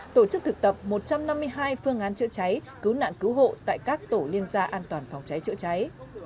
tổ chức thực tập một trăm năm mươi hai phương án chữa cháy cứu nạn cứu hộ tại các tổ liên gia an toàn phòng cháy chữa cháy